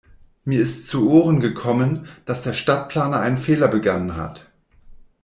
Mir ist zu Ohren gekommen, dass der Stadtplaner einen Fehler begangen hat.